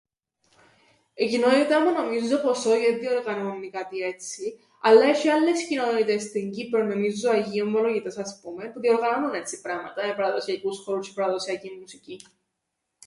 Η κοινότητα μου νομίζω πως όι, εν διοργανώννει κάτι έτσι, αλλά έσ̆ει άλλες κοινότητες στην Κύπρον, νομίζω οι Αγίοι Ομολογητές ας πούμεν, διοργανώννουν έτσι πράματα, παραδοσιακούς χορούς τζ̌αι παραδοσιακήν μουσικήν.